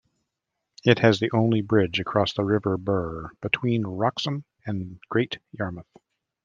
It has the only bridge across the River Bure between Wroxham and Great Yarmouth.